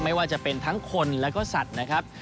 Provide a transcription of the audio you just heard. ไม่ว่าจะเป็นทั้งคนแล้วก็สัตว์นะครับ